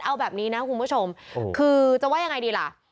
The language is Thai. เอาแบบนี้นะคุณผู้ชมคือจะว่ายังไงดีล่ะ